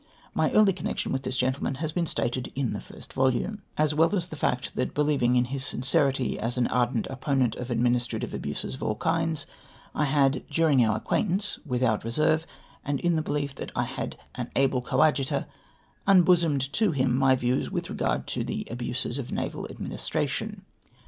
My early connection with this gentleman lias been stated in the first volume*, as well as the fact, that believing in his sinceiity as an ardent opponent of administrative abuses of all kinds, I had, during our acquaintance, witliout reserve, and in tlie belief that I had an aljle coadjutor, mibosomed to him my views with regai'd to the abuses of naval administration.